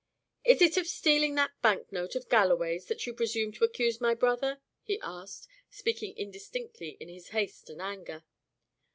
"Is it of stealing that bank note of Galloway's that you presume to accuse my brother?" he asked, speaking indistinctly in his haste and anger.